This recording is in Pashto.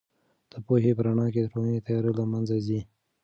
د پوهنې په رڼا کې د ټولنې تیاره له منځه ځي.